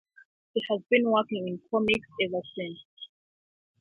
He has been working in comics ever since.